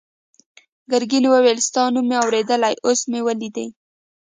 ګرګین وویل ستا نوم مې اورېدلی اوس مې ولیدې.